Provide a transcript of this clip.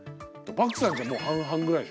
バクさんちはもう半々ぐらい。